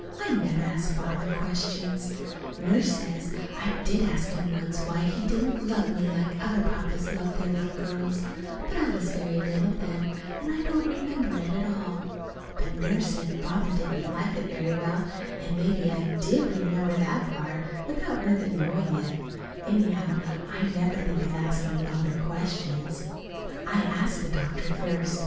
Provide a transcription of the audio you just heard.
I never ask Father questions. Nurse says I did ask him once why he didn't love me like other papas loved their little girls. But I was very little then, and I don't remember it at all. But Nurse said Father didn't like it very well, and maybe I did remember that part, without really knowing it. Anyhow, I never think of asking Father questions. I asked the doctor first.